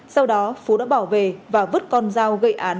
sau đó phú đã bỏ về và vứt con dao gây án tại bên đường